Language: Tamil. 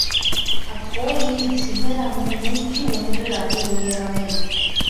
அக்கோயில் சிகரமும் நூற்றி ஒன்று அடி உயரமே.